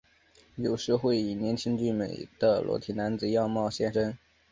有时会以年轻俊美的裸体男子样貌现身。